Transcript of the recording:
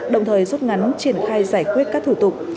đồng thời rút ngắn triển khai giải quyết các thủ tục